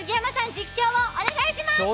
実況をお願いします。